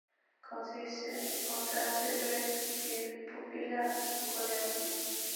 Constance Greene, su fiel pupila, acude a abrir.